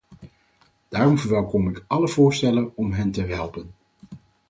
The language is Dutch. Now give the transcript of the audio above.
Daarom verwelkom ik alle voorstellen om hen te helpen.